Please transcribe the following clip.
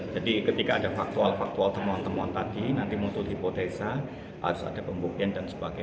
jadi ketika ada faktual faktual temuan teman tadi nanti mutul hipotesa harus ada pembukin dan sebagainya